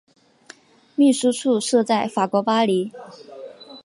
秘书处设在法国巴黎。